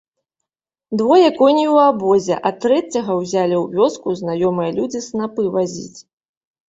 Двое коней у абозе, а трэцяга ўзялі ў вёску знаёмыя людзі снапы вазіць.